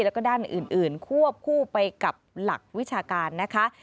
แล้วก็ด้านอื่นควบคู่ไปกับหลักวิชาการนะคะ